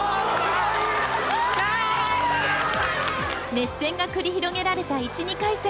熱戦が繰り広げられた１・２回戦。